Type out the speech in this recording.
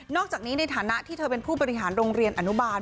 อกจากนี้ในฐานะที่เธอเป็นผู้บริหารโรงเรียนอนุบาล